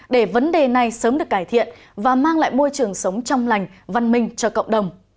để vấn đề này sớm được cải thiện và mang lại môi trường sống trong lành văn minh cho cộng đồng